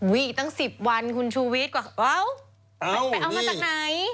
อีกตั้ง๑๐วันคุณชูวิทย์กว่าเอ้ามันไปเอามาจากไหน